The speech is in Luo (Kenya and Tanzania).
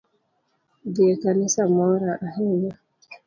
Dhi e kanisa mora ahinya